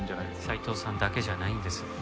斉藤さんだけじゃないんです。